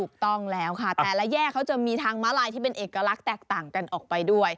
ถูกต้องแล้วค่ะแต่ละแยกเขาจะมีทางม้าลายที่เป็นเอกลักษณ์แตกต่างกันออกไปด้วย